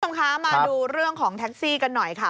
คุณผู้ชมคะมาดูเรื่องของแท็กซี่กันหน่อยค่ะ